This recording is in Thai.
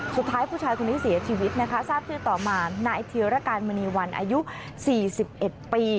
สุดท้ายผู้ชายคนนี้เสียชีวิตนะคะทราบชื่อต่อมานายธีรการมณีวันอายุ๔๑ปี